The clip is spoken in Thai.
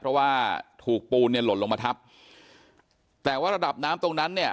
เพราะว่าถูกปูนเนี่ยหล่นลงมาทับแต่ว่าระดับน้ำตรงนั้นเนี่ย